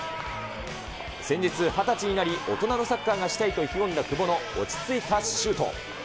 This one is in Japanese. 先日、２０歳になり、大人のサッカーがしたいと意気込んだ久保の落ち着いたシュート。